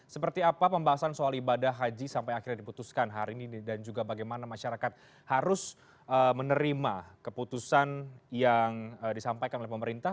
seperti apa pembahasan soal ibadah haji sampai akhirnya diputuskan hari ini dan juga bagaimana masyarakat harus menerima keputusan yang disampaikan oleh pemerintah